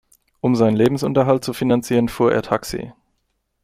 Um seinen Lebensunterhalt zu finanzieren, fuhr er Taxi.